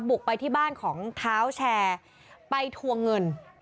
บุกไปที่บ้านของเท้าแชร์ไปทวงเงิน